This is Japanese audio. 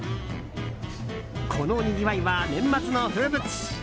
このにぎわいは年末の風物詩。